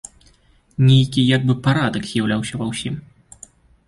Нейкі як бы парадак з'яўляўся ва ўсім.